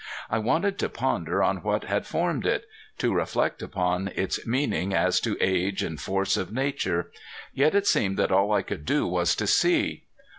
I wanted to ponder on what had formed it to reflect upon its meaning as to age and force of nature. Yet it seemed that all I could do was to see.